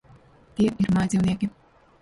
Tie ir mājdzīvnieki.